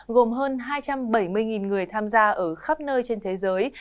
gồm hơn hai trăm bảy mươi người tham gia ở khắp nơi trên thế giới